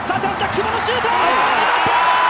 久保のシュート！